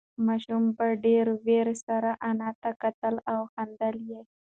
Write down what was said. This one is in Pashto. ماشوم په ډېرې وېرې سره انا ته کتل او خندل یې.